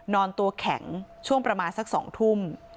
นอนตัวแข็งช่วงประมาณสัก๒ทุ่ม